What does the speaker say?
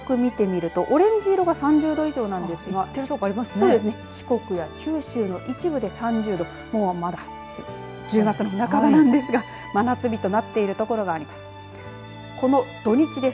特によく見てみるとオレンジ色が３０度以上なんですが四国や九州の一部で３０度もう１０月の半ばなんですが真夏日となっている所があります。